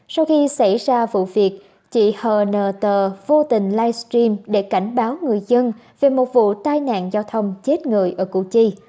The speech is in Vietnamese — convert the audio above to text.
sau khi xảy ra vụ việc chị hn t vô tình livestream để cảnh báo người dân về một vụ tai nạn giao thông chết người ở củ chi